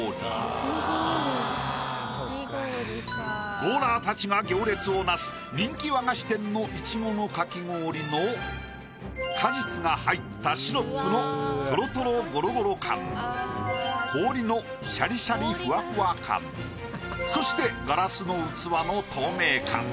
ゴーラーたちが行列をなす人気和菓子店のイチゴのかき氷の果実が入ったシロップのとろとろごろごろ感氷のシャリシャリふわふわ感そしてガラスの器の透明感。